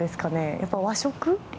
やっぱり和食？